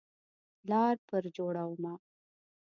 لار پر جوړومه